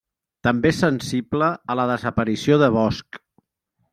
També és sensible a la desaparició de bosc.